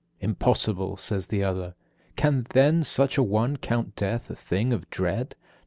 'Impossible,' says the other. 'Can then such a one count death a thing of dread?'